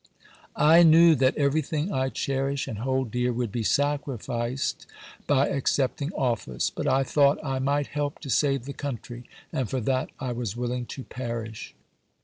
I knew that everything I cherish and hold dear would be sacrificed by accepting office. But I thought I might help to save the country, and for that I was wiUing to perish."